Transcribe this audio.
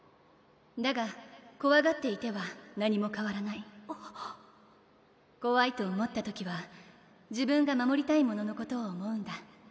だがこわがっていては何もかわらないこわいと思った時は自分が守りたいもののことを思うんだ